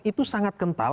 itu sangat kental